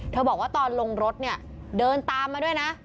บอกว่าตอนลงรถเนี่ยเดินตามมาด้วยนะ